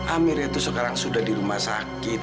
amir itu sekarang sudah di rumah sakit